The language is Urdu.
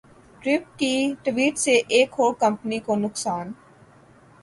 ٹرمپ کی ٹوئیٹ سے ایک اور کمپنی کو نقصان